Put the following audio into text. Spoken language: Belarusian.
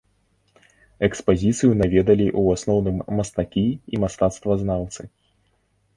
Экспазіцыю наведалі ў асноўным мастакі і мастацтвазнаўцы.